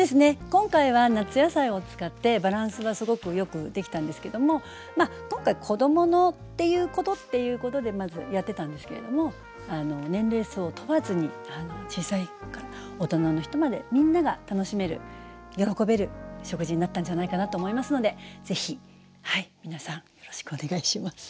今回は夏野菜を使ってバランスがすごくよくできたんですけども今回子供のっていうことっていうことでまずやってたんですけれども年齢層を問わずに小さい子から大人の人までみんなが楽しめる喜べる食事になったんじゃないかなと思いますので是非皆さんよろしくお願いします。